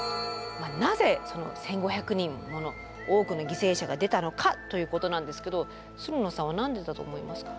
なぜその１，５００人もの多くの犠牲者が出たのかということなんですけどつるのさんは何でだと思いますか？